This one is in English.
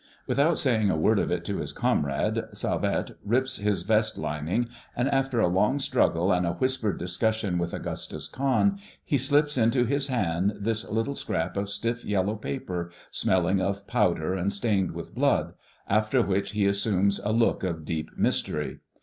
Without saying a word of it to his comrade, Salvette rips his vest lining; and after a long struggle and a whispered discussion with Augustus Cahn, he slips into his hand this little scrap of stiff yellow paper smelling of powder and stained with blood, after which he assumes a look of deep mystery.